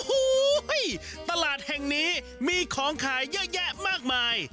โอ้โหตลาดแห่งนี้มีของขายเยอะแยะมากมาย